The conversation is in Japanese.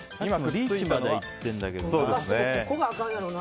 リーチまではいってんだけどな。